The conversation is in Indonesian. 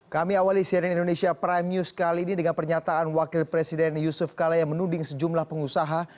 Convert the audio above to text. kami awali cnn indonesia prime news kali ini dengan pernyataan wakil presiden yusuf kala yang menuding sejumlah pengusaha